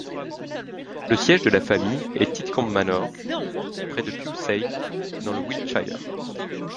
Le siège de la famille est Tidcombe Manor, près de Pewsey, dans le Wiltshire.